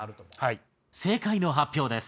正解の発表です。